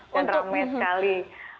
dan ramai sekali